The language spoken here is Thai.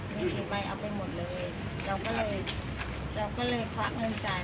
มีกี่ใบเอาไปหมดเลยเราก็เลยเราก็เลยควักเงินจ่าย